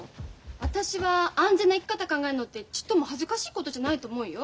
私は安全な生き方考えるのってちっとも恥ずかしいことじゃないと思うよ。